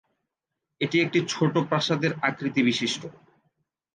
এটি একটি ছোটো প্রাসাদের আকৃতিবিশিষ্ট।